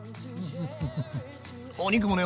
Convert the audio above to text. お肉もね